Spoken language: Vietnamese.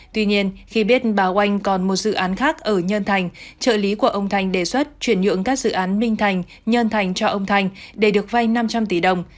tuy nhiên khi biết báo oanh còn một dự án khác ở nhân thành trợ lý của ông thành đề xuất chuyển nhượng các dự án minh thành nhân thành cho ông thành để được vay năm trăm linh tỷ đồng